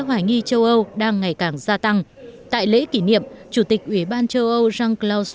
hoài nghi châu âu đang ngày càng gia tăng tại lễ kỷ niệm chủ tịch ủy ban châu âu jean clau